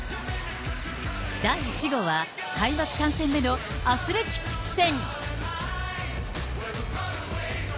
第１号は、開幕３戦目のアスレチックス戦。